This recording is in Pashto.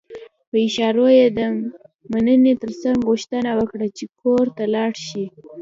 په اشارو يې د مننې ترڅنګ غوښتنه وکړه چې کور ته لاړ شي.